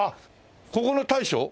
ここの大将？